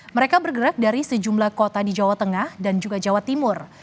mereka bergerak dari sejumlah kota di jawa tengah dan juga jawa timur